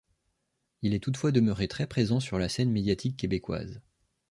Il est toutefois demeuré très présent sur la scène médiatique québécoise.